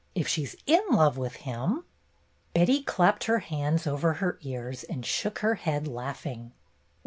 If she 's in love with him —" Betty clapped her hands over her ears and shook her head, laughing.